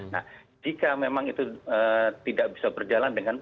nah jika memang itu tidak bisa berjalan